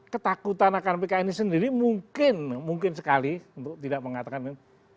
ketakutan akan pk ini sendiri mungkin sekali untuk tidak mengatakan ini